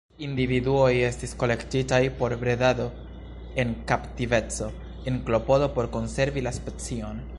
Individuoj estis kolektitaj por bredado en kaptiveco en klopodo por konservi la specion.